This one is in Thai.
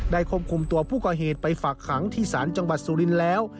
ควบคุมตัวผู้ก่อเหตุไปฝากขังที่ศาลจังหวัดสุรินทร์แล้ว